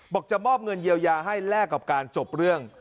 จะมอบเงินเยียวยาให้แลกกับการจบเรื่อง